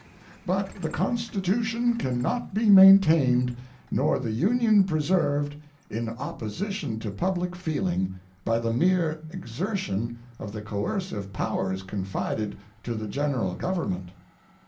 But the Constitution can not be maintained nor the Union preserved, in opposition to public feeling, by the mere exertion of the coercive powers confided to the General Government.